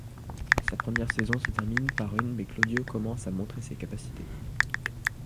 Sa première saison se termine par une mais Claudio commence à montrer ses capacités.